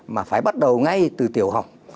mà phải bắt đầu ngay từ tiểu học